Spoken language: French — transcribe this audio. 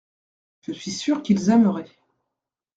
Je suis sûr qu’ils aimeraient.